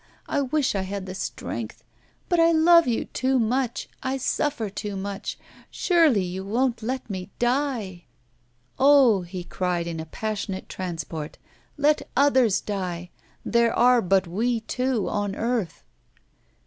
I wish I had the strength. But I love you too much, I suffer too much; surely you won't let me die?' 'Oh!' he cried in a passionate transport. 'Let others die, there are but we two on earth.